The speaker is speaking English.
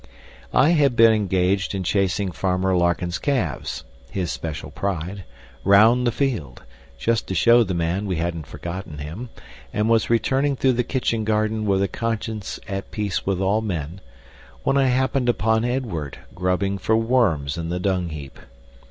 I had been engaged in chasing Farmer Larkin's calves his special pride round the field, just to show the man we hadn't forgotten him, and was returning through the kitchen garden with a conscience at peace with all men, when I happened upon Edward, grubbing for worms in the dung heap.